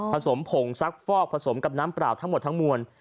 ผสมผงซักฟอกผสมกับน้ำเปล่าทั้งหมดทั้งมวล